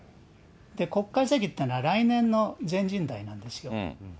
国家主席っていうのは、来年の全人代なんですよ。